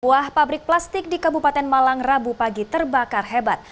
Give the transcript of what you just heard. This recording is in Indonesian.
buah pabrik plastik di kabupaten malang rabu pagi terbakar hebat